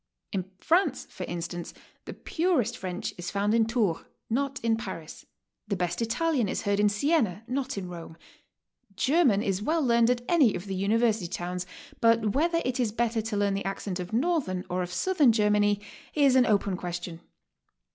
In France, for instance, the purest French is found in Tours, not in Paris; the best Italian is heard in Siena, not in Rome. German is well learned at any of the university towns, but whether it is better to learn the accent of northern or of southern Germany is an open question.